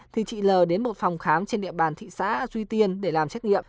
thì chị l đến một phòng khám trên địa bàn thị xã duy tiên để làm xét nghiệm